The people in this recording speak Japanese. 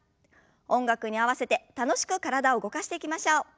音楽に合わせて楽しく体を動かしていきましょう。